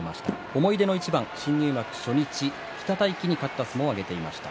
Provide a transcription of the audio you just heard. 思い出の一番、新入幕初日北太樹に勝った相撲を挙げていました。